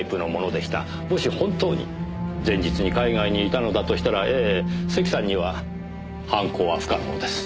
もし本当に前日に海外にいたのだとしたら関さんには犯行は不可能です。